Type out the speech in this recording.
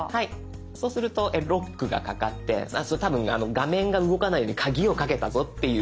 そうするとロックがかかって多分画面が動かないように鍵をかけたぞっていう。